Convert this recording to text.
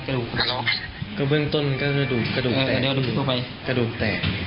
กะดูกแตก